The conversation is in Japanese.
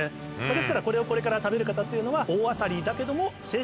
ですからこれをこれから食べる方っていうのは大あさりだけども。